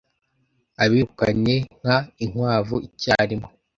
Abirukanye nka inkwavu icyarimwe